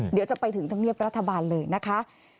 เดี๋ยวจะไปถึงธรรมเนียบรัฐบาลเลยนะคะ